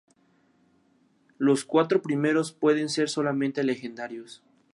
Los cuatro primeros pueden ser solamente legendarios.